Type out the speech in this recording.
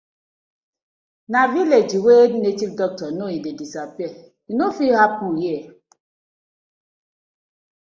Na village wey native doctor know e dey disappear, e no fit happen here.